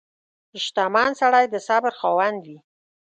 • شتمن سړی د صبر خاوند وي.